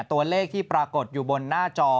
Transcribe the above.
ตัวเลขที่ปรากฏอยู่บนหน้าจอ